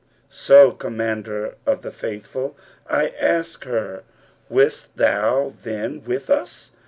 So, O Commander of the Faithful, I asked her 'West thou then with us?'